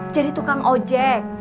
jadi tukang ojek